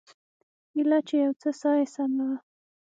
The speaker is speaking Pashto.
ايله چې يو څه ساه يې سمه وه.